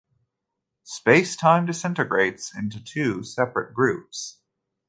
Space-time disintegrates into two separate groups.